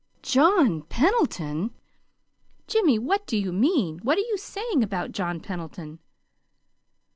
"JOHN PENDLETON! Jimmy, what do you mean? What are you saying about John Pendleton?"